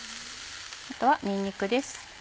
あとはにんにくです。